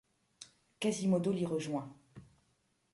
Quasimodo l'y rejoint.